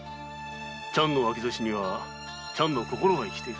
「ちゃん」の脇差には「ちゃん」の心が生きている。